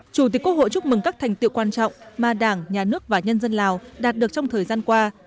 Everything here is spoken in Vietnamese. chủ tịch quốc hội chúc mừng các thành tiệu quan trọng mà đảng nhà nước và nhân dân lào đạt được trong thời gian qua